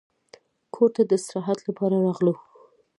کور ته د استراحت لپاره راغلو.